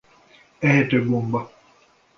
Ehető gomba.